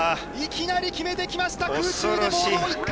いきなり決めてきました。